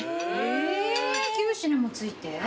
９品も付いて？